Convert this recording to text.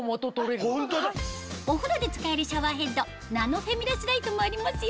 お風呂で使えるシャワーヘッドナノフェミラスライトもありますよ